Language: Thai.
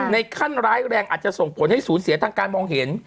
ขั้นร้ายแรงอาจจะส่งผลให้ศูนย์เสียทางการมองเห็น